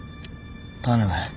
頼む。